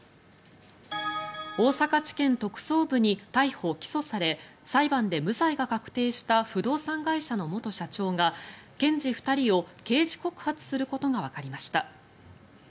大阪地検特捜部に逮捕・起訴され裁判で無罪が確定した不動産会社の元社長が検事２人を刑事告発することがわかりました。